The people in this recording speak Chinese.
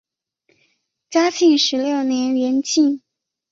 嘉庆十六年园寝。